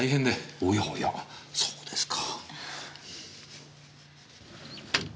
おやおやそうですか。